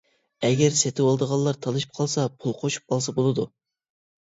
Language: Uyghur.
ئەگەر سېتىۋالىدىغانلار تالىشىپ قالسا پۇل قوشۇپ ئالسا بولىدۇ.